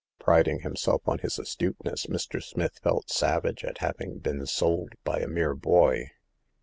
Priding himself on his astuteness, Mr. Smith felt savage at having been sold by a mere boy.